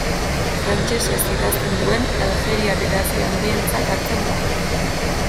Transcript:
Frantsesez idazten duen aljeriar idazle handientzat hartzen da.